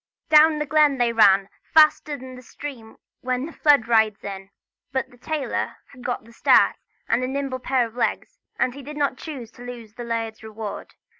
Down the glen they ran, faster than the stream when the flood rides it; but the tailor had got the start and a nimble pair of legs, and he did not choose to lose the laird's reward.